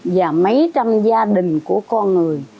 và mấy trăm gia đình của con người